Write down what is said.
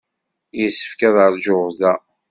Yessefk ad ṛjuɣ da.